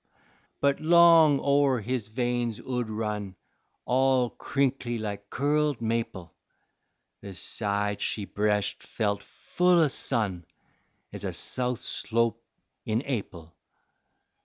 But long o' her his veins 'ould run All crinkly like curled maple, The side she breshed felt full o' sun Ez a south slope in Ap'il.